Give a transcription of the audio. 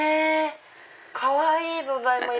かわいい！